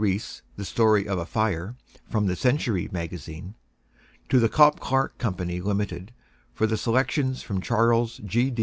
Riis' "The Story of a Fire" from "The Century Magazine"; to The Copp Clark Co., Limited, for the selections from Charles G.